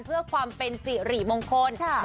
เพื่อความเป็นสิริมงคล